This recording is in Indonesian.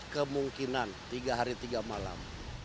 kemungkinan tiga hari tiga malam